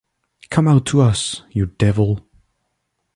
Come out to us, you devil.